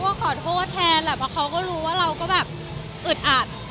ก็ขอโทษแทนแหละเพราะเขาก็รู้ว่าเราก็แบบอึดอัด